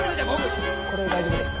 これで大丈夫ですか？